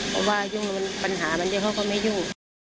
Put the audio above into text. เพราะว่ายุ่งปัญหามันเดี๋ยวเขาก็ไม่ยุ่ง